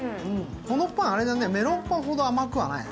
このパン、メロンパンほど甘くはない。